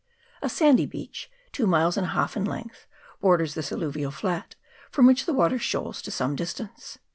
A sandy beach, two miles and a half in length, borders this alluvial flat, from which the water shoals to some distance.